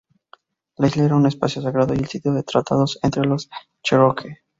La Isla era un espacio sagrado y el sitio de tratados entre los Cherokee.